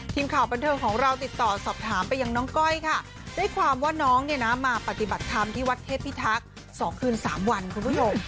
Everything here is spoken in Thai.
ทีมข่าวบันเทิงของเราติดต่อสอบถามไปยังน้องก้อยค่ะด้วยความว่าน้องเนี่ยนะมาปฏิบัติธรรมที่วัดเทพิทักษ์๒คืน๓วันคุณผู้ชม